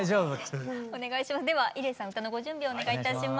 では伊礼さん歌のご準備をお願いいたします。